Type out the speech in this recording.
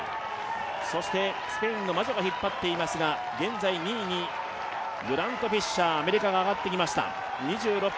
そしてスペインのマジョが引っ張っていますが現在２位にフィッシャー、アメリカが上がってきました。